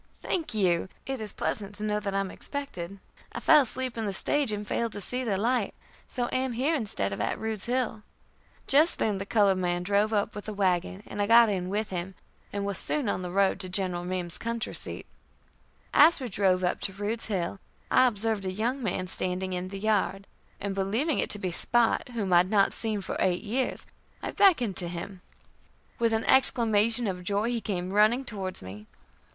"Thank you. It is pleasant to know that I am expected. I fell asleep in the stage, and failed to see the light, so am here instead of at Rude's Hill." Just then the colored man drove up with the wagon, and I got in with him, and was soon on the road to General Meem's country seat. As we drove up to Rude's Hill, I observed a young man standing in the yard, and believing it to be Spot, whom I had not seen for eight years, I beckoned to him. With an exclamation of joy, he came running towards me.